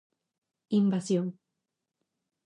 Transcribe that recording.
Invasión.